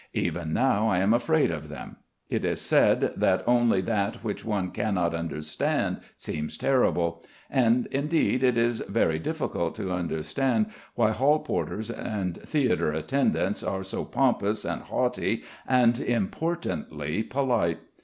Even now I am afraid of them. It is said that only that which one cannot understand seems terrible. And indeed it is very difficult to understand why hall porters and theatre attendants are so pompous and haughty and importantly polite.